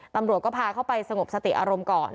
ตำรวจก็พาเข้าไปสงบสติอารมณ์ก่อน